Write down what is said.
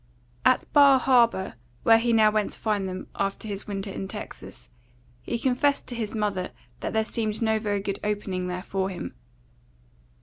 At Bar Harbour, where he now went to find them, after his winter in Texas, he confessed to his mother that there seemed no very good opening there for him.